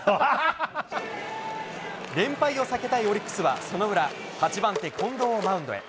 連敗を避けたいオリックスはその裏、８番手、近藤をマウンドへ。